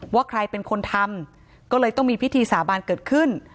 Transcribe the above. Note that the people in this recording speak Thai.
ว่าใครเป็นคนทำก็เลยต้องมีพิธีสาบานเกิดขึ้น